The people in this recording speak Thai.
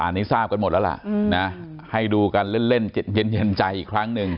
อันนี้ทราบกันหมดแล้วล่ะให้ดูกันเล่นเย็นใจอีกครั้งหนึ่ง